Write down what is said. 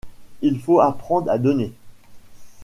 Il faut apprendre à donner.